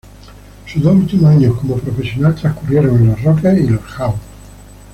Sus dos últimos años como profesional transcurrieron en los Rockets y los Hawks.